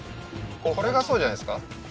これがそうじゃないですか？